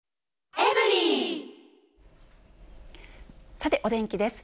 さて、お天気です。